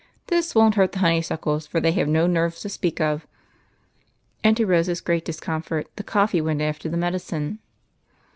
This won't hurt the honeysuckles, for they have no nerves to speak of." And, to Rose's great discomfort, the coffee went after the medicine.